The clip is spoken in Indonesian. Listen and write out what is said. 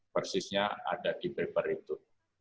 persisnya ada di paper itu